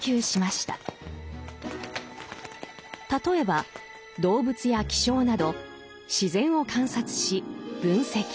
例えば動物や気象など自然を観察し分析。